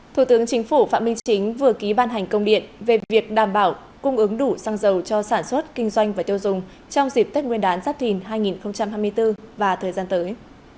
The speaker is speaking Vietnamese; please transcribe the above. thủ tướng chính phủ phạm minh chính vừa ký ban hành công điện về việc đảm bảo cung ứng đủ xăng dầu cho sản xuất kinh doanh và tiêu dùng trong dịp tết nguyên đán giáp thìn hai nghìn hai mươi bốn và thời gian tới